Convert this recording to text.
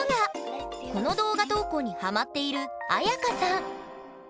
この動画投稿にハマっているあやかさん。